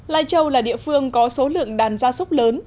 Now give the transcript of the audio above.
lai châu là địa phương có số lượng đàn gia súc lớn